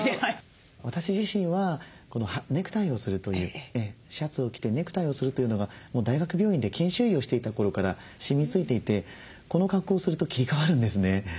私自身はネクタイをするというシャツを着てネクタイをするというのがもう大学病院で研修医をしていた頃からしみついていてこの格好をすると切り替わるんですね。